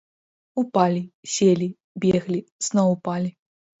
Упалі, селі, беглі, зноў упалі.